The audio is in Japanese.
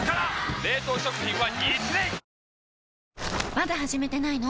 まだ始めてないの？